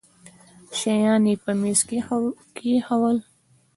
شيان يې پر ميز کښېښوول.